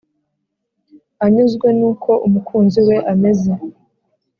anyuzwe n’uko umukunzi we ameze.